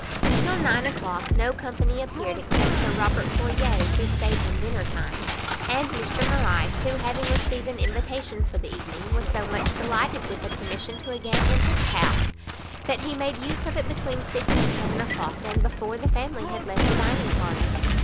Till nine o'clock no company appeared, except Sir Robert Floyer, who stayed from dinner time, and Mr Morrice, who having received an invitation for the evening, was so much delighted with the permission to again enter the house, that he made use of it between six and seven o'clock, and before the family had left the dining parlour.